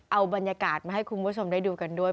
เอาบรรยากาศมาให้คุณผู้ชมได้ดูกันด้วย